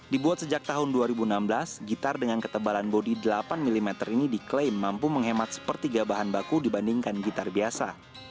dibuat sejak tahun dua ribu enam belas gitar dengan ketebalan bodi delapan mm ini diklaim mampu menghemat sepertiga bahan baku dibandingkan gitar biasa